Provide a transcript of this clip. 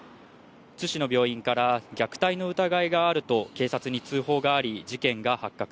津市の病院から虐待の疑いがあると警察に通報があり、事件が発覚。